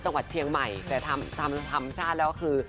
จังหวัดเชียงใหม่แต่ทำชาติแล้วคือ